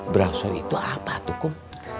beraso itu apa tuh kum